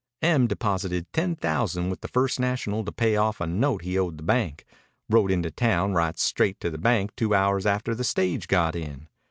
"Em deposited ten thousand with the First National to pay off a note he owed the bank. Rode into town right straight to the bank two hours after the stage got in.